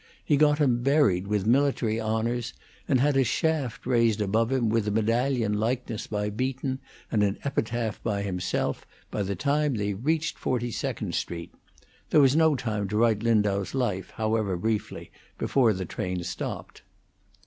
He got him buried with military honors, and had a shaft raised over him, with a medallion likeness by Beaton and an epitaph by himself, by the time they reached Forty second Street; there was no time to write Lindau's life, however briefly, before the train stopped.